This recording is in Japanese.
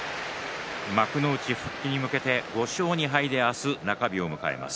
幕内復帰に向けて５勝２敗で明日、中日を迎えます。